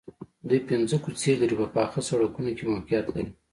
دوی پنځه کوڅې لرې په پاخه سړکونو کې موقعیت لري